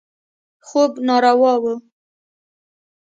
خوب ناروا و.